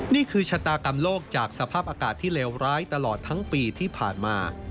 นี่คือชะตากรรมโลกจากสภาพอากาศที่เลวร้ายตลอดทั้งปีที่ผ่านมา